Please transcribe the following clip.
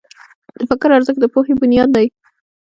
د فکر ارزښت د پوهې بنیاد دی.